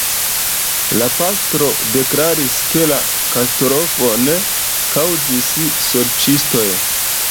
La pastro deklaris, ke la katastrofon kaŭzis sorĉistoj.